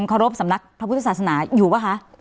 เคารพสำนักพระพุทธศาสนาอยู่ป่ะคะ